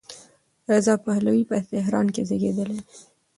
رضا پهلوي په تهران کې زېږېدلی دی.